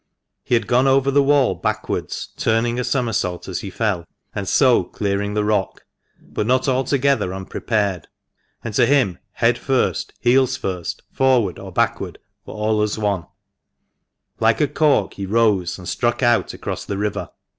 He had gone over the wall backwards, turning a somersault as he fell, and so clearing the rock, but not altogether unprepared ; and to him head first, heels first, forward or backward, were all JABEZ ON CELLAR STEPS. H4 THE MANCHESTER MAN. as one. Like a cork he rose, and struck out across the river.